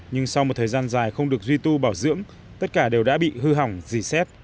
nhưng sau một thời gian dài không được duy tu bảo dưỡng tất cả đều đã bị hư hỏng dì xét